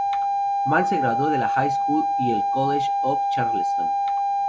Munn se graduó de la High School y el College of Charleston.